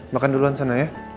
makan duluan sana ya